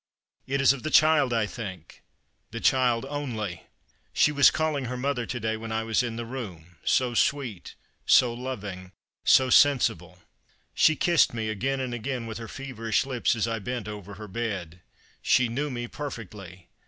It is of the child I think — the child only. She was calling Jier mother to day when I was in the room — so sweet, so loving, so sensible. She kissed me again and again with her feverish lips as I bent over her bed. She knew me perfectly.